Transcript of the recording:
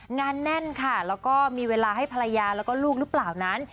งานแน่นค่ะแล้วก็มีเวลาให้ภรรยาแล้วก็ลูกหรือเปล่านั้น